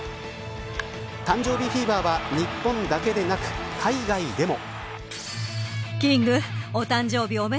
誕生日フィーバーは日本だけでなく海外でも。